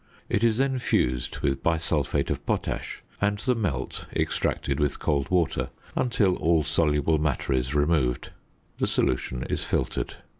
It is then fused with bisulphate of potash, and the "melt" extracted with cold water until all soluble matter is removed. The solution is filtered.